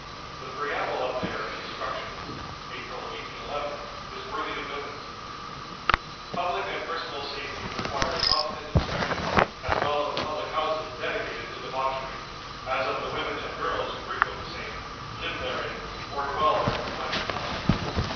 The preamble of their "Instructions" (April, 1811) is worthy of notice: "Public and personal safety require a constant inspection, as well of the public houses dedicated to debauchery, as of the women and girls who frequent the same, live therein, or dwell there from time to time.